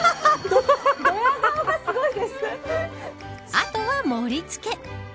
あとは盛り付け。